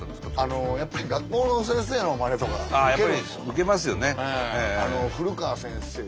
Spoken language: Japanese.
ウケますよね。